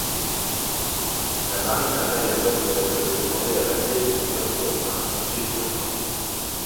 La marine impériale japonaise avait demandé à la Diète du Japon un budget d'urgence.